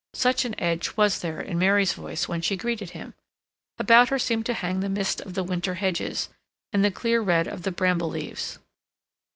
Such an edge was there in Mary's voice when she greeted him. About her seemed to hang the mist of the winter hedges, and the clear red of the bramble leaves.